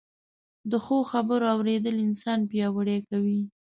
د ښو خبرو اورېدل انسان پياوړی کوي